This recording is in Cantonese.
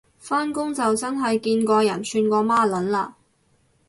返工就真係見過人串過馬撚嘞